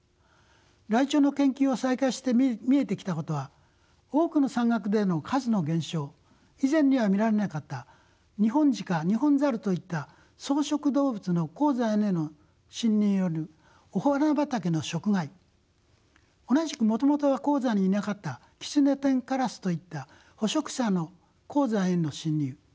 ライチョウの研究を再開して見えてきたことは多くの山岳での数の減少以前には見られなかった二ホンジカニホンザルといった草食動物の高山への侵入によるお花畑の食害同じくもともとは高山にいなかったキツネテンカラスといった捕食者の高山への侵入